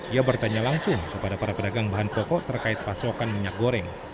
ia bertanya langsung kepada para pedagang bahan pokok terkait pasokan minyak goreng